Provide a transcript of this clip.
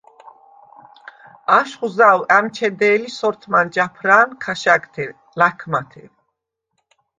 აშხუ̂ ზაუ̂ ა̈მჩედე̄ლი სორთმან ჯაფრა̄ნ ქაშა̈გთე ლა̈ქმათე.